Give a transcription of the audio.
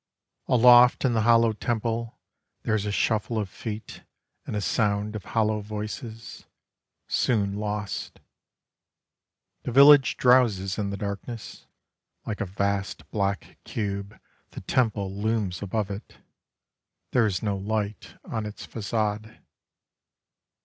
Aloft in the hollow temple There is a shuffle of feet and a sound of hollow voices, Soon lost. The village drowses in the darkness: Like a vast black cube The temple looms above it, There is no light on its façade.